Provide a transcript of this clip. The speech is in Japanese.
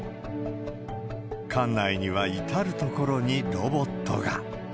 館内には至る所にロボットが。